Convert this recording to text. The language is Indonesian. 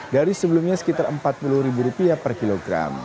dari sebelumnya sekitar rp empat puluh per kilogram